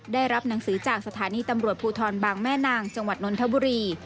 ได้รับหนังสือจากสถานีตำรวจภูทรบางแม่นางจังหวัดนนทบุรี